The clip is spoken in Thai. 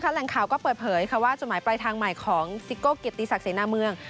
แหล่งข่าวก็เปิดเผยว่าจดหมายปลายทางใหม่ของซิโก้เกียรติศักดิเสนาเมือง